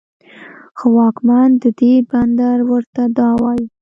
خو واکمن د دې بندر ورته دا وايي